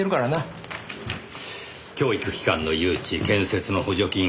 教育機関の誘致建設の補助金。